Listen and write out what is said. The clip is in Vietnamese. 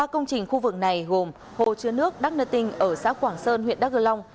ba công trình khu vực này gồm hồ chứa nước đắk nơ tinh ở xã quảng sơn huyện đắk gờ long